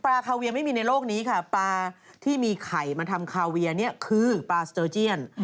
คาเวียไม่มีในโลกนี้ค่ะปลาที่มีไข่มาทำคาเวียเนี่ยคือปลาสเตอร์เจียน